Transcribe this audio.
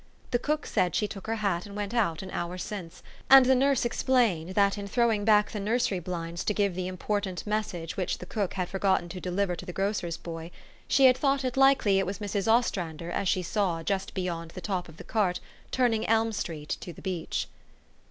The cook said she took her hat and went out an hour since ; and the nurse explained, that in throwing back the nursery blinds to give the important mes sage which the cook had forgotten to deliver to the grocer's boy, she had thought it likely it was Mrs. Ostrander as she saw just bej'ond the top of the cart, turning Elm Street to the beach.